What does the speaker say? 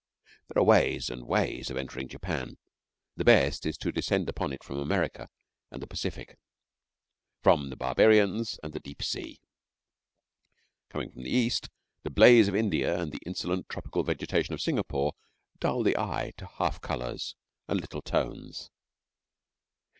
There are ways and ways of entering Japan. The best is to descend upon it from America and the Pacific from the barbarians and the deep sea. Coming from the East, the blaze of India and the insolent tropical vegetation of Singapore dull the eye to half colours and little tones.